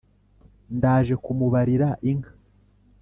ndaje kumubarira inka